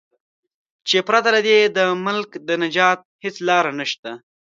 چې پرته له دې د ملک د نجات هیڅ لار نشته.